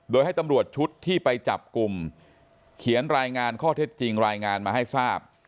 โดยให้ตำรวจชุดที่ไปจับกลุ่มเขียนรายงานข้อเท็จจริงรายงานมาให้ทราบ